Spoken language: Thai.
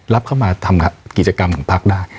รับเข้ามาทำกิจกรรมของพักได้